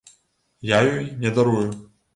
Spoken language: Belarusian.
Я ёй не дарую!